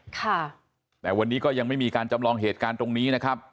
ค่ะแต่วันนี้ก็ยังไม่มีการจำลองเหตุการณ์ตรงนี้นะครับ